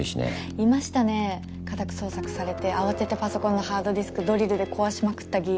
いましたね家宅捜索されて慌ててパソコンのハードディスクドリルで壊しまくった議員。